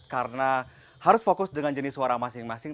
karena harus fokus dengan jenis suara masing masing